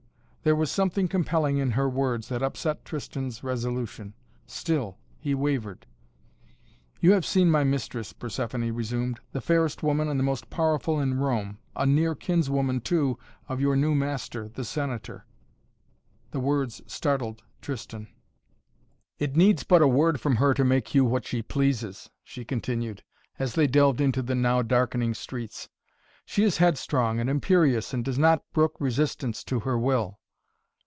There was something compelling in her words that upset Tristan's resolution. Still, he wavered. "You have seen my mistress," Persephoné resumed, "the fairest woman and the most powerful in Rome a near kinswoman, too, of your new master the Senator." The words startled Tristan. "It needs but a word from her to make you what she pleases," she continued, as they delved into the now darkening streets. "She is headstrong and imperious and does not brook resistance to her will."